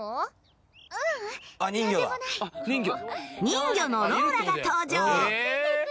人魚のローラが登場